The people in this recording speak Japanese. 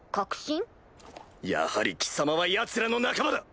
やはり貴様はヤツらの仲間だ！